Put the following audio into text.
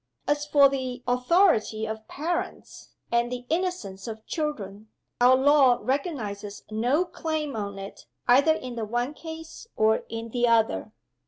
As for the authority of parents, and the innocence of children, our law recognizes no claim on it either in the one case or in the other.